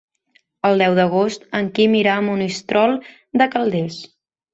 El deu d'agost en Quim irà a Monistrol de Calders.